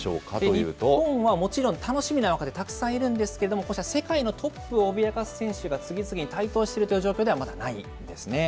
日本はもちろん、楽しみな若手、たくさんいるんですけども、こうした世界のトップを脅かす選手が次々台頭しているという状況ではまだないんですね。